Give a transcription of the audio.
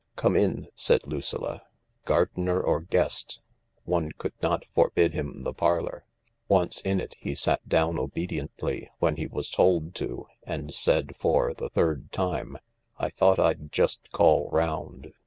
"Come in," said Lucilla. Gardener or guest, one could not forbid him the parlour. Once in it, he sat down obediently when he was told to, and said for the third time :" I thought I'd just call round."